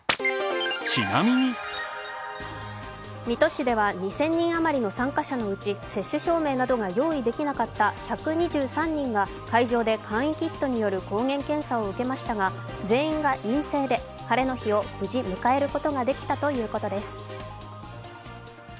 水戸市では２０００人余りの参加者のうち接種証明などが用意できなかった１２３人が会場で簡易キットによる抗原検査を受けましたが全員が陰性で、晴れの日を無事迎えることができたということです。